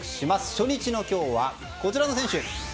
初日の今日はこちらの選手。